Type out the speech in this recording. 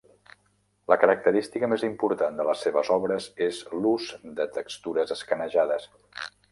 La característica més important de les seves obres és l'ús de textures escanejades.